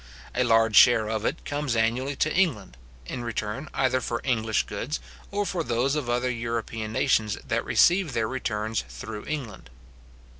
A large share of it comes annually to England, in return either for English goods, or for those of other European nations that receive their returns through England.